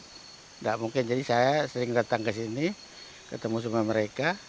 tidak mungkin jadi saya sering datang ke sini ketemu sama mereka